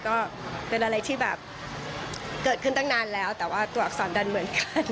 ก็เป็นอะไรที่แบบเกิดขึ้นตั้งนานแล้วแต่ว่าตัวอักษรดันเหมือนกัน